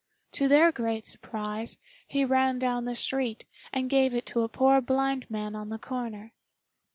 To their great surprise he ran down the street and gave it to a poor blind man on the corner.